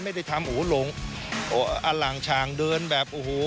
ไม่ได้ทำอู๋หลงอล่างชางเดินแบบโอ้โห